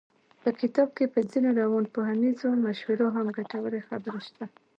په کتاب کې په ځينو روانپوهنیزو مشورو هم ګټورې خبرې شته.